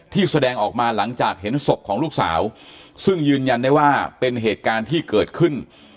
แสดงออกมาหลังจากเห็นศพของลูกสาวซึ่งยืนยันได้ว่าเป็นเหตุการณ์ที่เกิดขึ้น